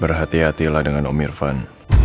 berhati hatilah dengan om irfan